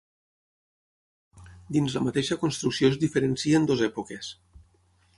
Dins la mateixa construcció es diferencien dues èpoques.